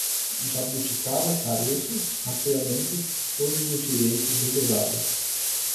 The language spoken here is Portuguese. Jabuticaba, caroço, rastreamento, todos os direitos reservados